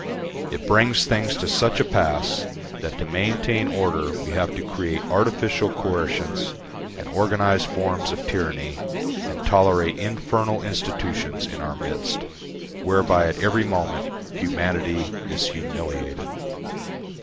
It brings things to such a pass that to maintain order we have to create artificial coercions and organised forms of tyranny, and tolerate infernal institutions in our midst, whereby at every moment humanity is humiliated.